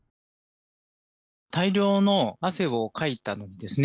大量の汗をかいたんですね。